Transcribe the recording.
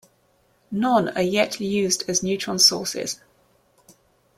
None are yet used as neutron sources.